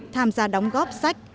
tham gia đóng góp sách